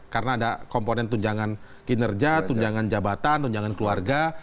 karena ada komponen tunjangan kinerja tunjangan jabatan tunjangan keluarga